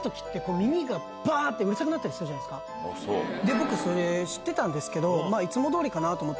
僕知ってたんですけど。